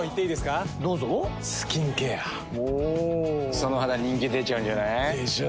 その肌人気出ちゃうんじゃない？でしょう。